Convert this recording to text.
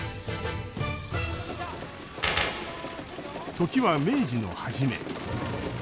時は明治の初め。